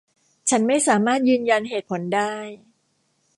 ฉันไม่สามารถยืนยันเหตุผลได้